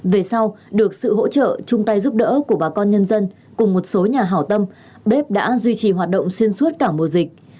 về sau được sự hỗ trợ chung tay giúp đỡ của bà con nhân dân cùng một số nhà hảo tâm bếp đã duy trì hoạt động xuyên suốt cả mùa dịch